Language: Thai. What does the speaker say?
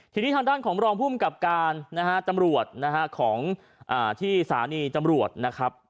ทีนี้ทางด้านของรองภูมิกับการนะฮะตำรวจนะฮะของที่สถานีตำรวจนะครับ